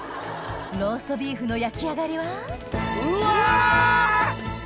ローストビーフの焼き上がりはうわ！